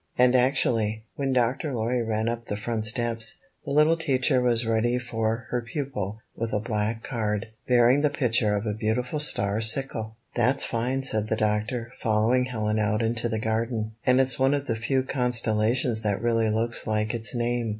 And actually, when Dr. Lorry ran up the front steps, the little teacher was ready for 25 her pupil with a black card, bearing the pic ture of a beautiful star sickle. "That's fine," said the doctor, following Helen out into the garden. "And it's one of the few constellations that really looks like its name.